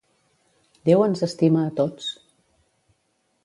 Déu ens estima a tots.